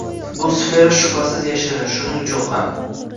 Bu sfera, shubhasiz, yashirin, shuning uchun ham